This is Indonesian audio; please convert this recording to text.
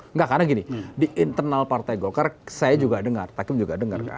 nggak karena gini di internal partai golkar saya juga dengar pak kim juga dengar